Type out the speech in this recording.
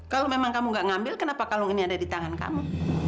kalau memang kamu gak ngambil kenapa kalung ini ada di tangan kamu